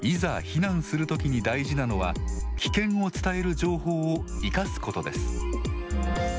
避難するときに大事なのは危険を伝える情報を生かすことです。